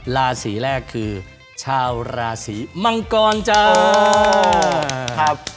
ราศีแรกคือชาวราศีมังกรเจ้าครับ